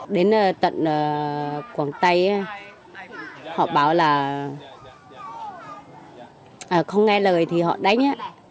đến tận quảng tây họ bảo là không nghe lời thì họ đánh